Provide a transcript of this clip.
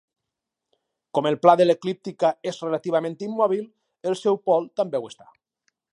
Com el pla de l'eclíptica és relativament immòbil, el seu pol també ho està.